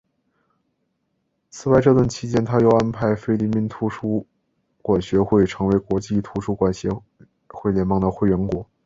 此外这段期间他又安排菲律宾图书馆学会成为国际图书馆协会联盟的会员国。